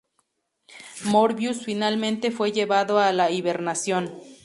Morbius finalmente fue llevado a la hibernación.